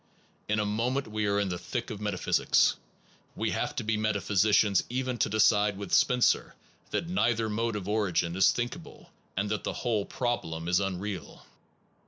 In a moment we are in the thick of metaphysics. We have to be meta physicians even to decide with Spencer that neither mode of origin is thinkable and that the whole problem is unreal.